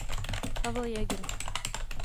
Pavel Jäger.